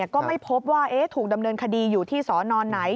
ก็ไม่พบว่าถูกดำเนินคดีอยู่ที่สอนอนไหน